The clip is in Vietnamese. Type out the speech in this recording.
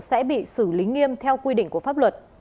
sẽ bị xử lý nghiêm theo quy định của pháp luật